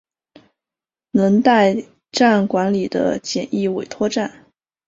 能代站管理的简易委托站。